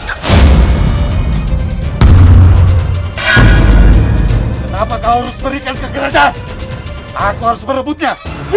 kenapa kau harus berikan ke kerajaan aku harus berebutnya